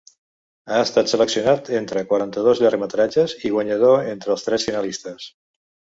Ha estat seleccionat entre quaranta-dos llargmetratges i guanyador entre els tres finalistes.